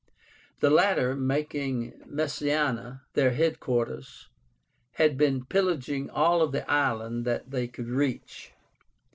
The latter, making Messána their head quarters, had been pillaging all of the island that they could reach.